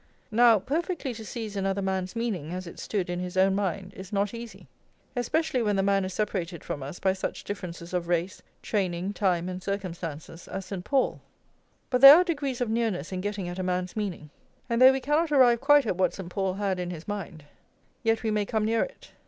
Now, perfectly to seize another man's meaning, as it stood in his own mind, is not easy; especially when the man is separated from us by such differences of race, training, time, and circumstances as St. Paul. But there are degrees of nearness in getting at a man's meaning; and though we cannot arrive quite at what St. Paul had in his mind, yet we may come near it.